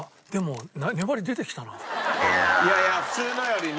いやいや普通のよりね。